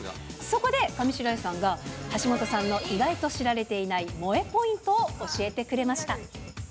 そこで、上白石さんが橋本さんの意外と知られていない、萌えポイントを教えてくれました。